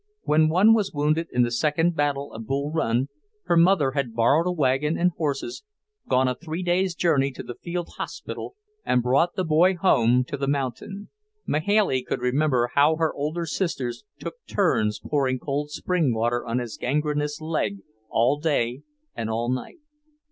When one was wounded in the second battle of Bull Run, her mother had borrowed a wagon and horses, gone a three days' journey to the field hospital, and brought the boy home to the mountain. Mahailey could remember how her older sisters took turns pouring cold spring water on his gangrenous leg all day and all night.